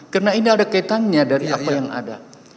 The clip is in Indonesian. karena ini ada kaitannya dari apa yang ada